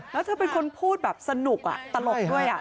แล้วเธอเป็นคนพูดแบบสนุกตลกด้วย